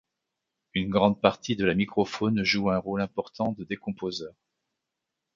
Une grande partie de la microfaune joue un rôle important de décomposeur.